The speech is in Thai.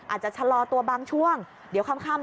ชะลอตัวบางช่วงเดี๋ยวค่ำ